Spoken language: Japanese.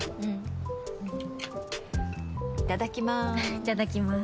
いただきます。